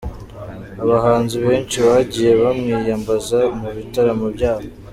Abahanzi benshi bagiye bamwiyambaza mu bitaramo byabo.